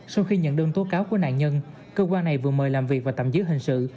sau khi nhận đơn tố cáo của nạn nhân cơ quan này vừa mời làm việc và tạm giữ hình sự